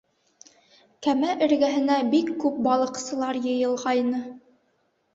Кәмә эргәһенә бик күп балыҡсылар йыйылғайны.